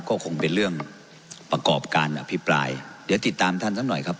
ก็คงเป็นเรื่องประกอบการอภิปรายเดี๋ยวติดตามท่านซะหน่อยครับ